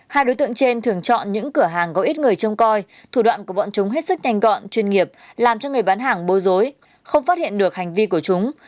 hai đối tượng trên thường chọn những cửa hàng có ít người trông coi thủ đoạn của bọn chúng hết sức nhanh gọn chuyên nghiệp làm cho người bán hàng bối rối không phát hiện được hành vi của chúng